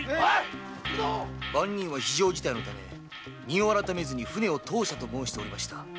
〕番人は非常事態のため荷を改めずに船を通したと申しておりました。